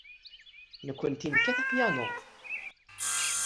Nekkenti nekkat apyanu.